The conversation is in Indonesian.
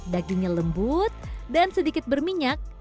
dagingnya lembut dan sedikit berminyak